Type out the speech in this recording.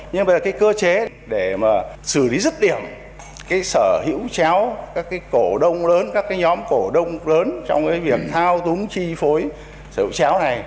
nhưng mà cái cơ chế để mà xử lý rứt điểm cái sở hữu chéo các cái cổ đông lớn các cái nhóm cổ đông lớn trong cái việc thao túng chi phối sở hữu chéo này